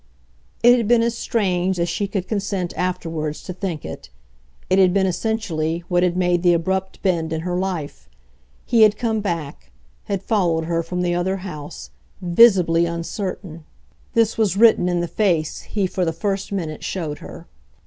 It had been as strange as she could consent, afterwards, to think it; it had been, essentially, what had made the abrupt bend in her life: he had come back, had followed her from the other house, VISIBLY uncertain this was written in the face he for the first minute showed her.